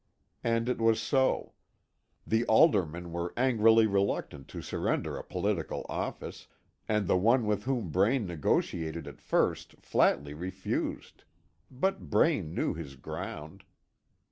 And it was so. The aldermen were angrily reluctant to surrender a political office, and the one with whom Braine negotiated at first flatly refused. But Braine knew his ground.